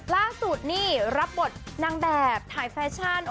ล่าสุดนี่รับบทนางแบบถ่ายแฟชั่น